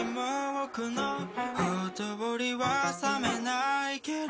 「奥のほとぼりは冷めないけど」